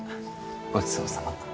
ごちそうさま